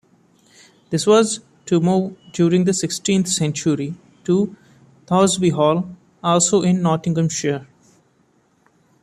This was to move during the sixteenth century to Thoresby Hall, also in Nottinghamshire.